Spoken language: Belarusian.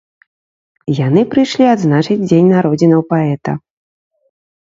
Яны прыйшлі адзначыць дзень народзінаў паэта.